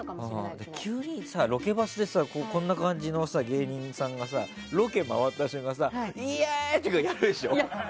急にロケバスでこんな感じの芸人さんがロケ回った瞬間にイエーイとかやるでしょ？